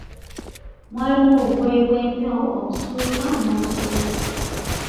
Mwalimu obugoye bw'empewo, obusuuka n'obusweta.